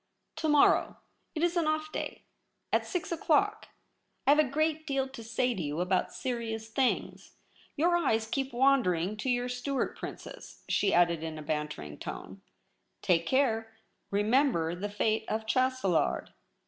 ' To morrow ; it is an ofT day. At six o'clock. I have a great deal to say to you about serious things. Your eyes keep wan dering to your Stuart Princess,' she added in a bantering tone. * Take care ; remember the fate of Chastelard.